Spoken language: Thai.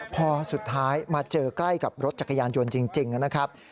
พอสุดท้ายมาเจอใกล้กับรถจักรยานยนต์จริงนะครับ